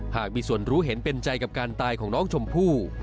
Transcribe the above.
หากมีส่วนรู้เห็นเป็นใจกับการตายของน้องชมพู่